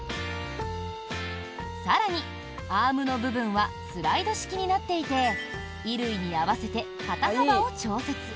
更に、アームの部分はスライド式になっていて衣類に合わせて肩幅を調節。